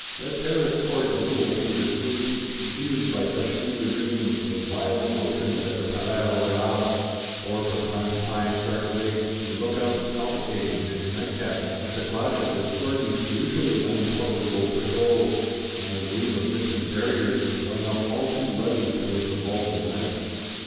Let Paris court a little fever sleep; confused by such fever dreams, of "violent motions at the Palais Royal;"—or from time to time start awake, and look out, palpitating, in its nightcap, at the clash of discordant mutually unintelligible Patrols; on the gleam of distant Barriers, going up all too ruddy towards the vault of Night.